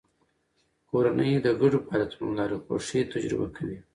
کورنۍ د ګډو فعالیتونو له لارې خوښي تجربه کوي